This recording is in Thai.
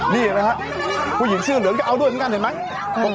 นี่นะครับผู้หญิงชื่อเหลืองก็เอาด้วยเห็นไหม